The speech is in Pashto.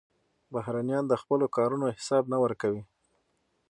بهرنیان د خپلو کارونو حساب نه ورکوي.